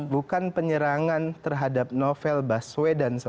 bukan penyerangan terhadap novel bahswedan seorang